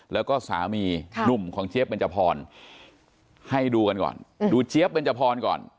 แล้วก็สามีหนุ่มของเจี๊ยบเบนจพรให้ดูกันก่อนดูเจี๊ยบเบนจพรก่อน